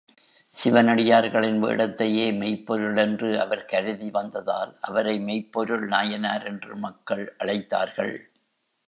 சிவனடியார்களின் வேடத்தையே மெய்ப்பொருள் என்று அவர் கருதி வந்ததால், அவரை மெய்ப்பொருள் நாயனார் என்று மக்கள் அழைத்தார்கள்.